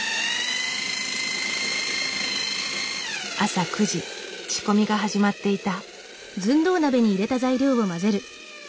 朝９時仕込みが始まっていた。